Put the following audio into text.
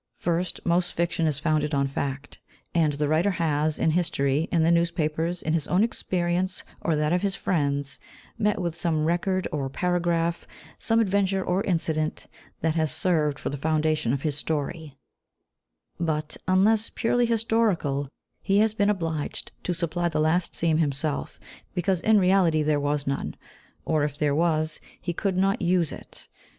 First, most fiction is founded on fact, and the writer has, in history, in the newspapers, in his own experience or that of his friends, met with some record or paragraph, some adventure or incident, that has served for the foundation of his story; but, unless purely historical, he has been obliged to supply the last scene himself, because in reality there was none, or, if there was, he could not use it.